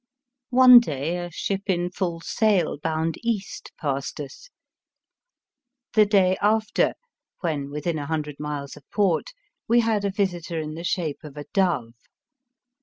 One day a ship in full sail bound east passed us. The day after, when within a hundred miles of port, we had a visitor in the shape of a dove.